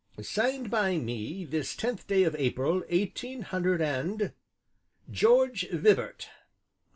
Signed by me, this tenth day of April, eighteen hundred and , GEORGE VIBART.